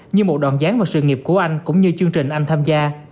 như một đoạn gián vào sự nghiệp của anh cũng như chương trình anh tham gia